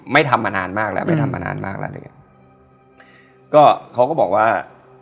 ทำมานานมากแล้วไม่ทำมานานมากแล้วอะไรอย่างเงี้ยก็เขาก็บอกว่า